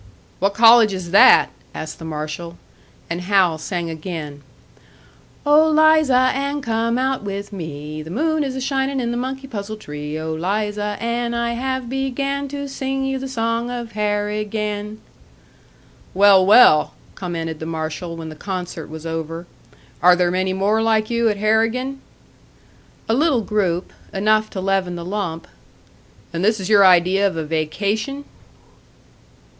"What college is that?" asked the marshal. And Hal sang again: "Oh, Liza Ann, come out with me, The moon is a shinin' in the monkey puzzle tree! Oh, Liza Ann, I have began To sing you the song of Harrigan!" "Well, well!" commented the marshal, when the concert was over. "Are there many more like you at Harrigan?" "A little group enough to leaven the lump." "And this is your idea of a vacation?"